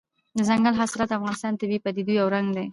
دځنګل حاصلات د افغانستان د طبیعي پدیدو یو رنګ دی.